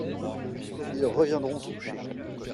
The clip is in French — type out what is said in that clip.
Ils reviendront se coucher.